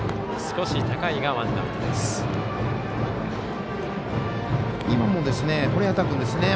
少し高いがワンアウトです。